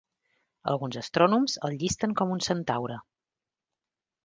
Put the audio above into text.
Alguns astrònoms el llisten com un centaure.